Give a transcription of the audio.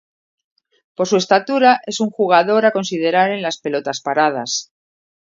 Por su estatura es un jugador a considerar en las pelotas paradas.